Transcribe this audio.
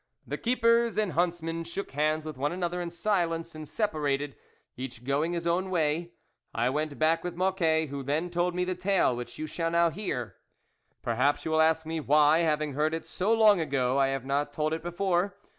The keepers and huntsmen shook hands with one another in silence and separated, each going his own way; I went back with Mocquet, who then told me the tale which you shall now hear. Perhaps you will ask me why, having heard it so long ago, I have not told it before.